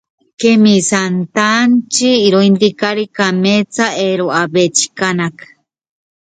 Las religiones son un obstaculo para el progreso humano